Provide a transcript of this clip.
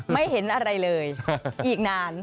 ไม่เห็นอะไรเลยอีกนาน